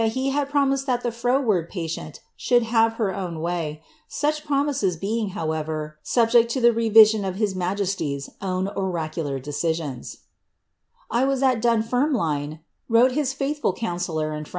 e had promised that the froward patient should have her own wav; sL^i; proniiaes being, however, subject to the revision of his majestv's o*= ■ I was at Dumfermlioe," wrote this faithful counsellor and fritr.'